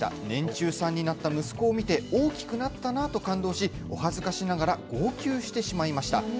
年中さんになった息子を見て大きくなったなと感動しお恥ずかしながら号泣してしまいました。